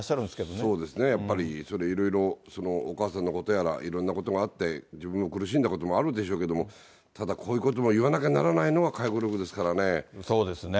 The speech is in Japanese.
そうですね、やっぱりそれ、いろいろ、お母さんのことやら、いろんなことがあって、自分も苦しんだこともあるんでしょうけれども、ただ、こういうことも言わなきゃならないのが、回顧録ですからね。